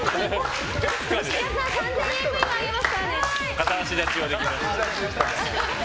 片足立ちはできた。